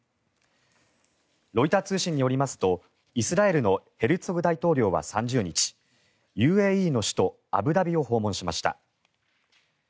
ロイター通信によりますとイスラエルのヘルツォグ大統領は３０日ＵＡＥの首都アブダビを訪問しました。